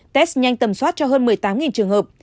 test nhanh tầm soát cho hơn một mươi tám trường hợp